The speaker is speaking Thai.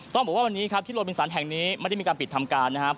ต้องบอกว่าวันนี้ครับที่โรบินสันแห่งนี้ไม่ได้มีการปิดทำการนะครับ